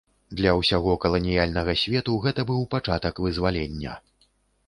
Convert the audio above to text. Для ўсяго каланіяльнага свету гэта быў пачатак вызвалення.